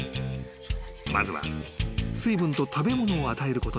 ［まずは水分と食べ物を与えることにした］